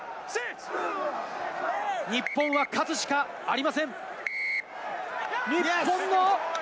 日本は勝つしかありません。